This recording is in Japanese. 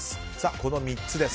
この３つです。